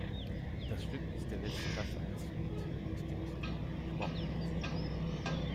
Das Stück ist der letzte Satz einer Suite mit dem Titel „Gesprochene Musik“.